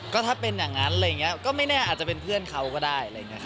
ก็ถ้าเป็นอย่างนั้นอะไรอย่างนี้ก็ไม่แน่อาจจะเป็นเพื่อนเขาก็ได้